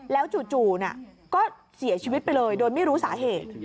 แล้วจู่ก็เสียชีวิตไปเลยโดยไม่รู้สาเหตุ